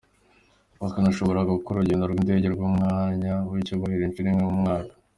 Bakanashobora gukora urugendo rw'indege mu mwanya w'icyubahiro, inshuro imwe mu mwaka.